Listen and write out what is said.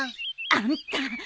あんた。